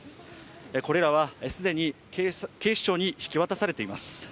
これらは既に警視庁に引き渡されています。